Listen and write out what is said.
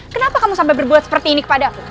kenapa kamu sampai berbuat seperti ini kepada aku